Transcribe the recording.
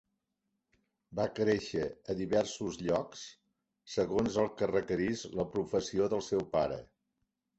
Va créixer a diversos llocs, segons el que requerís la professió del seu pare.